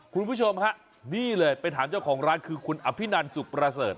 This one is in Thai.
คุณผู้ชมฮะนี่เลยไปถามเจ้าของร้านคือคุณอภินันสุขประเสริฐ